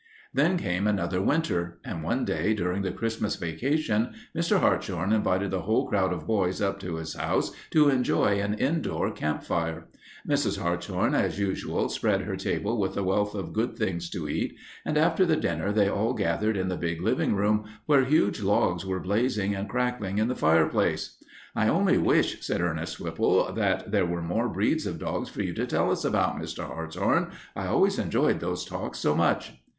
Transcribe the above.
Then came another winter, and one day, during the Christmas vacation, Mr. Hartshorn invited the whole crowd of boys up to his house to enjoy an indoor campfire. Mrs. Hartshorn, as usual, spread her table with a wealth of good things to eat, and after the dinner they all gathered in the big living room, where huge logs were blazing and crackling in the fireplace. "I only wish," said Ernest Whipple, "that there were more breeds of dogs for you to tell us about, Mr. Hartshorn. I always enjoyed those talks so much."